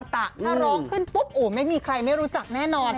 ถ้าร้องขึ้นปุ๊บโอ้ไม่มีใครไม่รู้จักแน่นอน